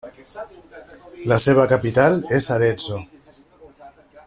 La seva capital és Arezzo.